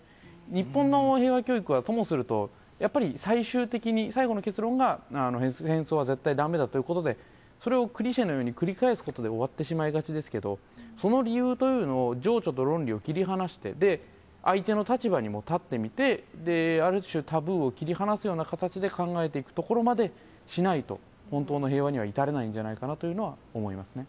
日本の平和教育は、ともすると、やっぱり最終的に最後の結論が、戦争は絶対だめだということで、それをクリシェのように繰り返すことで終わってしまいがちですけど、その理由というのを、情緒と論理を切り離して、相手の立場にも立ってみて、ある種、タブーを切り離すような形まで考えていくところまで、しないと、本当の平和には至れないんじゃないかなというのは思いますね。